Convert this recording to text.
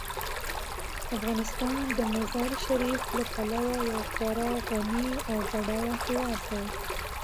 افغانستان د مزارشریف له پلوه یو خورا غني او بډایه هیواد دی.